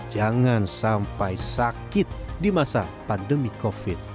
jangan sampai sakit di masa pandemi covid sembilan belas